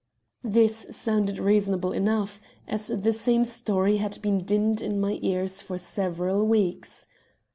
"This sounded reasonable enough, as the same story had been dinned in my ears for several weeks.